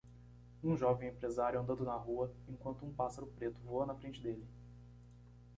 Um jovem empresário andando na rua, enquanto um pássaro preto voa na frente dele.